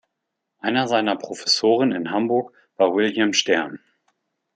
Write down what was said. Einer seiner Professoren in Hamburg war William Stern.